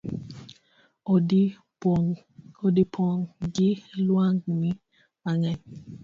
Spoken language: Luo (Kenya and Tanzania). Odi opong gi luangni mangeny